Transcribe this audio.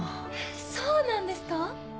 そうなんですか！